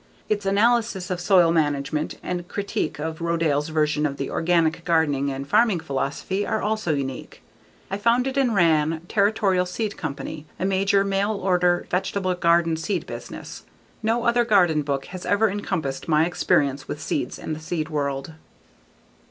Its analysis of soil management, and critique of Rodale's version of the organic gardening and farming philosophy are also unique. I founded and ran Territorial Seed Company, a major, mail order vegetable garden seed business; no other garden book has ever encompassed my experience with seeds and the seed world.